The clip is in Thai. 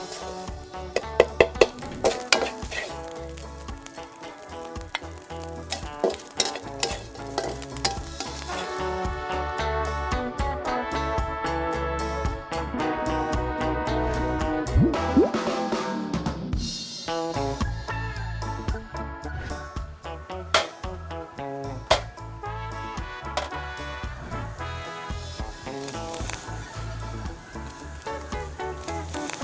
กินกันดีกว่า